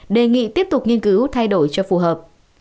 đề nghị tiếp tục nghiên cứu thay đổi cho phù hợp